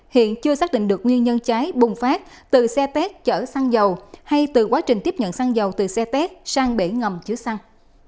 hiện chưa xác định được nguyên nhân cháy bùng phát từ xe tét chở xăng dầu hay từ quá trình tiếp nhận xăng dầu từ xe tét sang bể ngầm chứa xăng